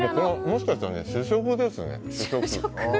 もしかしたら主食ですね。